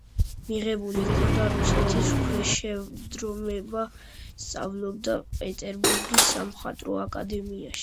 მიღებული ჰქონდა რუსეთის ქვეშევრდომობა, სწავლობდა პეტერბურგის სამხატვრო აკადემიაში.